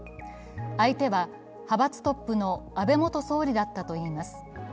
相手は派閥トップの安倍元総理だったといいます。